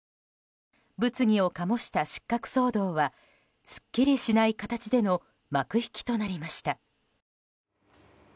物議を醸した失格騒動はすっきりしない形での幕引きとなりました。